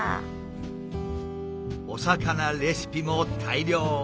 お魚レシピも大漁！